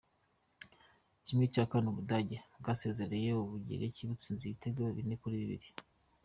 Muri ¼, Ubudage bwasezereye Ubugereki butsinze ibitego bine kuri bibiri.